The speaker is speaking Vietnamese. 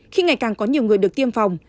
khi ngày càng có nhiều người được tiêm phòng